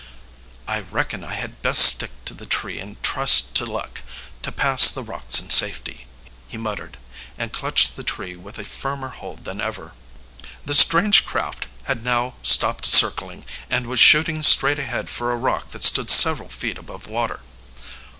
"I reckon I had best stick to the tree and trust to luck to pass the rocks in safety," he muttered, and clutched the tree with a firmer hold than ever. The strange craft had now stopped circling, and was shooting straight ahead for a rock that stood several feet above water.